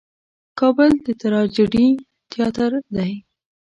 کابل د ټراجېډي تیاتر دی.